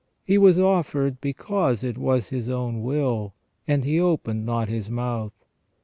He was offered because it was His own will, and he opened not His mouth.